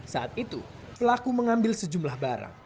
saat itu pelaku mengambil sejumlah barang